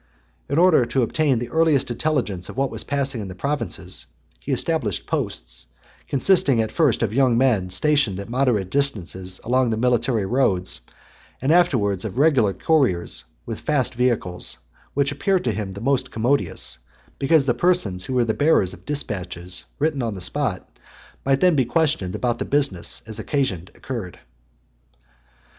In order to obtain the earliest intelligence of what was passing in the provinces, he established posts, consisting at first of young men stationed at moderate distances along the military roads, and afterwards of regular couriers with fast vehicles; which appeared to him the most commodious, because the persons who were the bearers of dispatches, written on the spot, might then be questioned about the business, as occasion occurred.